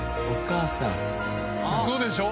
ウソでしょ？